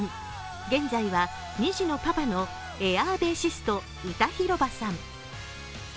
現在は２児のパパのエアーベーシスト、歌広場さん。